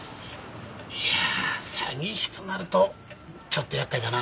いやあ詐欺師となるとちょっと厄介だな。